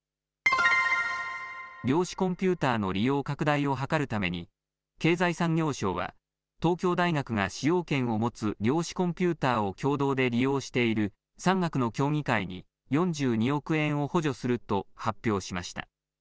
量子コンピューターの利用拡大を図るために経済産業省は東京大学が使用権を持つ量子コンピューターを共同で利用している産学の協議会に４２億円を補助すると発表しました。